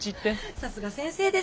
さすが先生です。